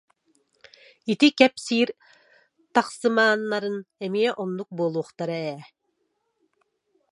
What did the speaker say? Ити кэп- сиир тахсыхамааннарыҥ эмиэ оннук буолуохтара ээ